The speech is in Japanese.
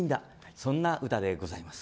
そんな歌でございます。